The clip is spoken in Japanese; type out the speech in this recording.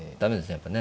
やっぱね。